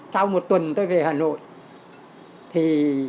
sau một tuần tôi về hà nội thì